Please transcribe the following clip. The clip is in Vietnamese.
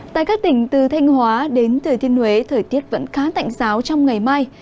tại các tỉnh từ thanh hóa đến thừa thiên huế thời tiết vẫn khá tạnh giáo trong ngày mai